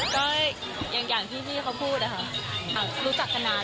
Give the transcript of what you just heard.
เขาเป็นผู้ใหญ่แล้วก็เราคุยกันง่าย